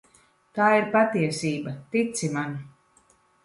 Tā ir patiesība, tici man.